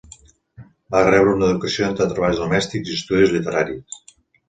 Va rebre una educació entre treballs domèstics i estudis literaris.